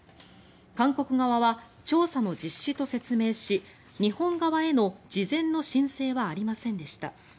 韓国側は調査の実施と説明し日本側への事前の申請はありませんでした。